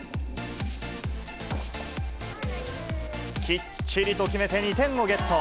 きっちりと決めて２点をゲット。